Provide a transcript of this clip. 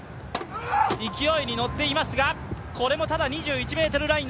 勢いに乗っていますがこれも２１ｍの手前のライン。